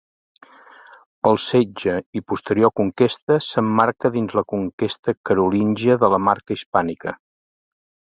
El setge i posterior conquesta s'emmarca dins la conquesta carolíngia de la Marca Hispànica.